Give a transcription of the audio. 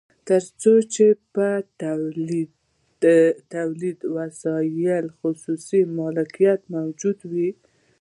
تر څو چې په تولیدي وسایلو خصوصي مالکیت موجود وي